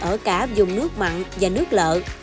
ở cả vùng nước mặn và nước lợ